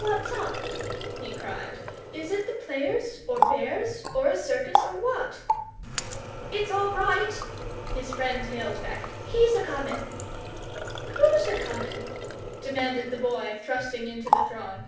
"What's up?" he cried. "Is it the players, or bears, or a circus, or what?" "It's all right," his friend hailed back. "He's a coming." "WHO'S a coming?" demanded the Boy, thrusting into the throng.